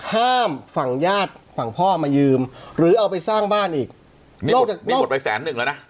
ห้ามฝั่งญาติฝั่งพ่อมายืมหรือเอาไปสร้างบ้านอีกนี่หมดไปแสนหนึ่งแล้วนะ